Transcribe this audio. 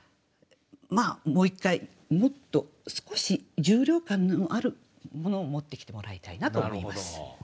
もう一回もっと少し重量感のあるものを持ってきてもらいたいなと思います。